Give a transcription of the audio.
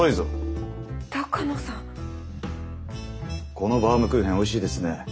このバームクーヘンおいしいですね。